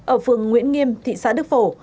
ở phường nguyễn nghiêm thị xã đức phổ